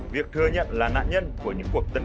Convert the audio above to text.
việc thừa nhận là nạn nhân